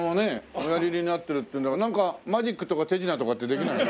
おやりになってるっていうならなんかマジックとか手品とかってできないの？